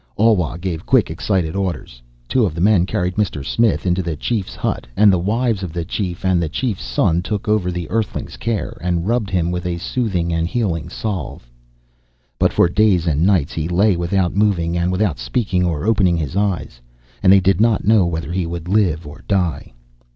Alwa gave quick, excited orders. Two of the men carried Mr. Smith into the chief's hut, and the wives of the chief and the chief's son took over the Earthling's care, and rubbed him with a soothing and healing salve. But for days and nights he lay without moving and without speaking or opening his eyes, and they did not know whether he would live or die.